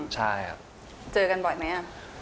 เจอกันบ่อยมั้ยอ่ะ